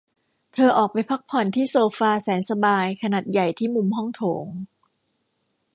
เธอออกไปพ้กผ่อนที่โซฟาแสนสบายขนาดใหญ่ที่มุมห้องโถง